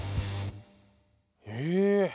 え